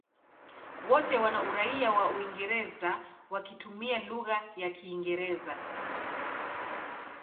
Wote wana uraia wa Uingereza wakitumia lugha ya Kiingereza.